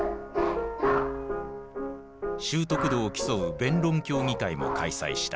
習得度を競う弁論競技会も開催した。